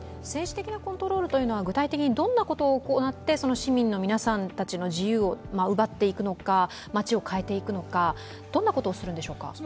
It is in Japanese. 政治的なコントロールというのは、具体的にどんなことを行って市民の皆さんたちの自由を奪っていくのか、街を変えていくのか、どんなことをするんでしょうか。